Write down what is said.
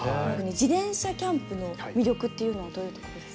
自転車キャンプの魅力っていうのはどういうとこですか？